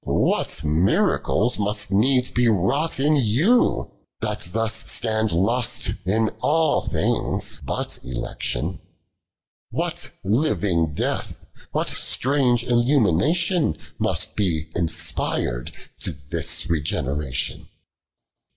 253 What miroulte must uet ils be wroug)it in you, Thutthua stand lost in ull tilings but eli'Ction ? What living death, wLat stningo illnminatioD Uust be Lnspir'd to thin regeneration